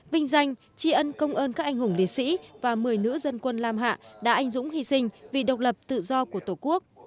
vinh danh tri ân công ơn các anh hùng liệt sĩ và một mươi nữ dân quân lam hạ đã anh dũng hy sinh vì độc lập tự do của tổ quốc